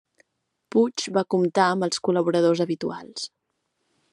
Puig va comptar amb els col·laboradors habituals.